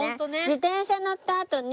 自転車乗ったあとに。